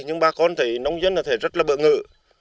nhưng bà con thấy nông dân rất là bỡ ngỡ